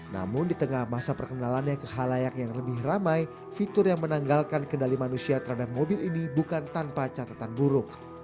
namun di tengah masa perkenalannya ke halayak yang lebih ramai fitur yang menanggalkan kendali manusia terhadap mobil ini bukan tanpa catatan buruk